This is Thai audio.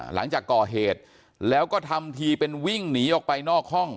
หลังจากก่อเหตุแล้วก็ทำทีเป็นวิ่งหนีออกไปนอกห้อง